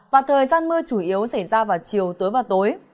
và thời gian mưa chủ yếu xảy ra vào chiều tối và tối